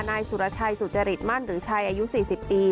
นายสุรชัยสุจริตมั่นหรือชัยอายุ๔๐ปี